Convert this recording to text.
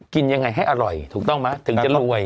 กินยังไงให้อร่อยถูกต้องไหมถึงจะรวย